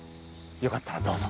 よかったらどうぞ。